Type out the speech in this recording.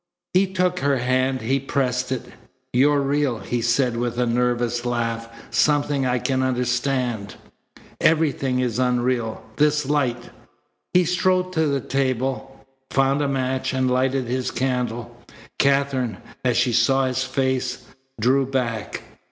He took her hand. He pressed it. "You're real!" he said with a nervous laugh. "Something I can understand. Everything is unreal. This light " He strode to the table, found a match, and lighted his candle. Katherine, as she saw his face, drew back.